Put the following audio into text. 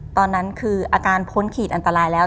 ตอนนั้นคืออาการพ้นขีดอันตรายแล้ว